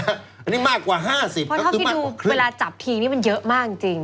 อันนี้มากกว่า๕๐ก็คือมากกว่าครึ่งเพราะถ้าคิดดูเวลาจับทีนี้มันเยอะมากจริง